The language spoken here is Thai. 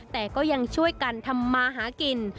แต่ก็ยังช่วยกันทำมาหากิน